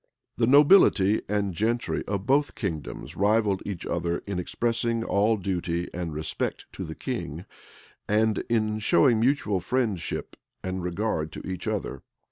The nobility and gentry of both kingdoms rivalled each other in expressing all duty and respect to the king, and in showing mutual friendship and regard to each other.